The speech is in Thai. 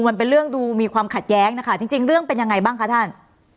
มันเป็นเรื่องดูมีความขัดแย้งนะคะจริงเรื่องเป็นยังไงบ้างคะท่าน